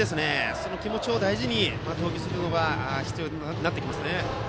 その気持ちを大事にすることが必要になってきますね。